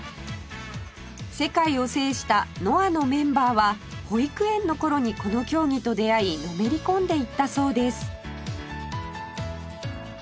世界を制した ＮＯＡＨ のメンバーは保育園の頃にこの競技と出会いのめり込んでいったそうです